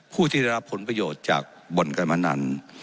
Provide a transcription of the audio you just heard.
ผู้ที่ได้รับผลประโยชน์จากบ่อนการพนัน